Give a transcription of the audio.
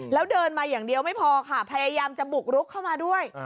แล้วเดินมาอย่างเดียวไม่พอค่ะพยายามจะบุกรุกเข้ามาด้วย